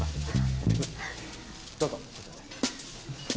どうぞ。